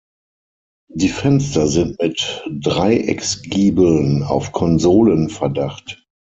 Die Fenster sind mit Dreiecksgiebeln auf Konsolen verdacht.